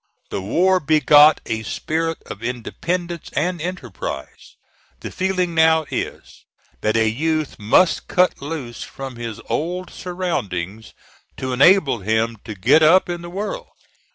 The war begot a spirit of independence and enterprise. The feeling now is, that a youth must cut loose from his old surroundings to enable him to get up in the world.